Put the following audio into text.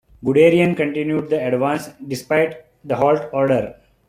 Guderian continued the advance, despite the halt order.